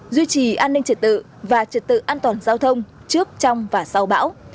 duy trì an ninh trật tự và trật tự an toàn giao thông trước trong và sau bão